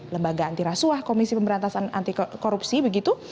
lembaga antirasuah komisi pemberantasan anti korupsi begitu